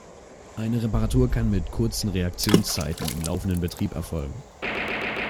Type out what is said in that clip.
Eine Reparatur kann mit kurzen Reaktionszeiten im laufenden Betrieb erfolgen.